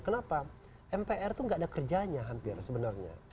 kenapa mpr itu nggak ada kerjanya hampir sebenarnya